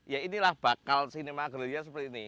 ya inilah bakal cinema gerilya seperti ini